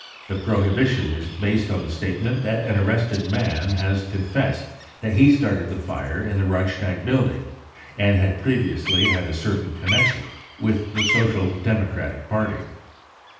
The prohibition is based on the state ment that an arrested man has confessed that he started the fir# in the Reichstag building and had previously had a certain connection with the Social Democratic Paj; ty.